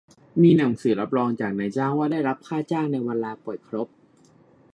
มีหนังสือรับรองจากนายจ้างว่าได้รับค่าจ้างในวันลาป่วยครบ